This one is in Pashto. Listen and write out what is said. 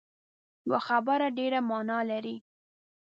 یوه خبره ډېره معنا لري